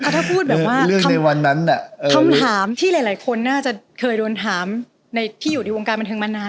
ถ้าพูดแบบว่าในวันนั้นคำถามที่หลายคนน่าจะเคยโดนถามในที่อยู่ในวงการบันเทิงมานาน